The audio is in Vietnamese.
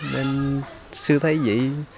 nên xưa thấy vậy